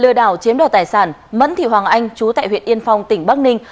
lừa đảo chiếm đoạt tài sản mẫn thị hoàng anh chú tại huyện yên phong tỉnh bắc ninh